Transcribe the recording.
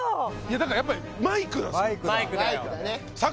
だからやっぱりマイクなんですよ何が？